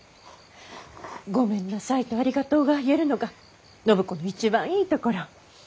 「ごめんなさい」と「ありがとう」が言えるのが暢子の一番いいところ。